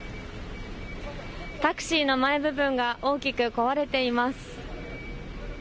タクシーの前部分が大きく壊れています。